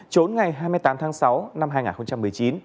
trốn ngày hai mươi tám tháng sáu năm hai nghìn một mươi chín